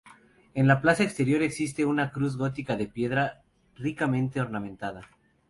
En la plaza exterior existe una cruz gótica de piedra ricamente ornamentada.